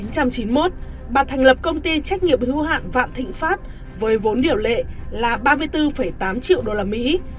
năm một nghìn chín trăm chín mươi một bà thành lập công ty trách nhiệm hưu hạn vạn thịnh pháp với vốn điểu lệ là ba mươi bốn tám triệu usd